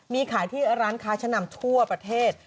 มีขายที่ร้านค้าชะนำทั่วประเทศ